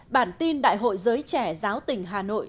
bản tin đại hội giới trẻ giáo tỉnh hà nội